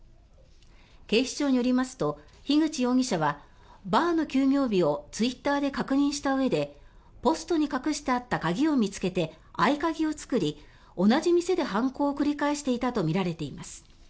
警視庁によりますと樋口容疑者はバーの休業日をツイッターで確認したうえでポストに隠してあった鍵を見つけて合鍵を作り同じ店で犯行を繰り返していたとみられています。